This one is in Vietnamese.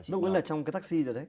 đúng là trong cái taxi rồi đấy